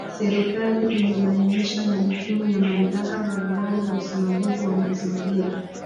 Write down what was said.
Serikali imebainisha majukumu ya mamlaka mbali mbali za usimamizi wa mazingira